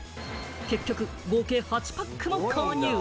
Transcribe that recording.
結局、合計８パックも購入。